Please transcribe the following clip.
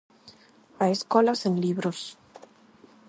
A escola sen libros.